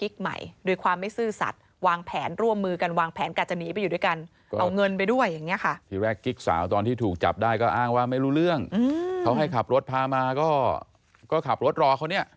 จะอ้างว่าไม่รู้เรื่องเขาให้ขับรถพามาก็ขับรถรอเขาเนี่ย